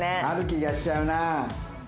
ある気がしちゃうな。